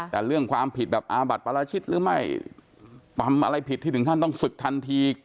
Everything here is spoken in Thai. แต่เรื่องความผิดแบบอาบัติปราชิตหรือไม่ปำอะไรผิดที่ถึงขั้นต้องศึกทันที